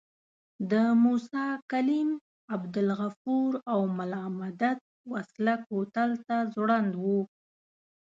د موسی کلیم، عبدالغفور او ملا مدت وسله کوتل ته ځوړند وو.